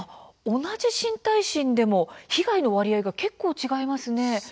同じ新耐震でも被害の割合が結構違いますね。